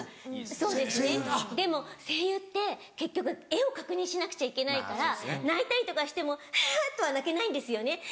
そうですねでも声優って結局絵を確認しなくちゃいけないから泣いたりとかしても「アァ」とは泣けないんですよね。